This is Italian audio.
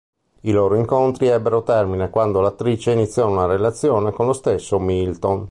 I loro incontri ebbero termine quando l'attrice iniziò una relazione con lo stesso Milton.